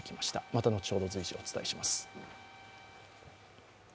また後ほど随時お伝えします。